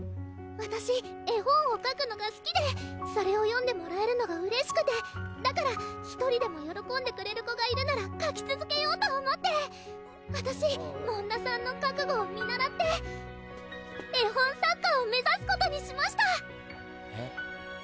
わたし絵本をかくのがすきでそれを読んでもらえるのがうれしくてだから１人でもよろこんでくれる子がいるならかきつづけようと思ってわたし紋田さんの覚悟を見習って絵本作家を目指すことにしましたへっ？